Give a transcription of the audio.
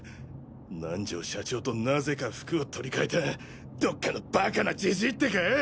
南條社長となぜか服を取り替えたどっかのバカなジジイってか！？